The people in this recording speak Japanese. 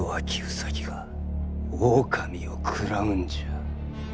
兎が狼を食らうんじゃ。